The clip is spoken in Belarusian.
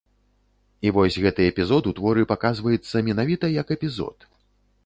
І вось гэты эпізод у творы паказваецца менавіта як эпізод.